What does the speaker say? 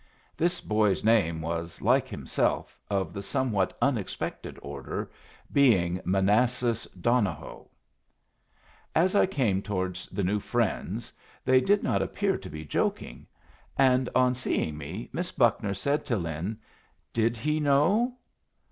This boy's name was, like himself, of the somewhat unexpected order, being Manassas Donohoe. As I came towards the new friends they did not appear to be joking, and on seeing me Miss Buckner said to Lin, "Did he know?"